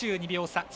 ２２秒差。